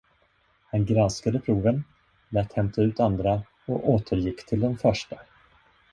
Han granskade proven, lät hämta ut andra och återgick till de första.